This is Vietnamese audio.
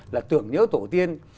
là tưởng nhớ tổ tiên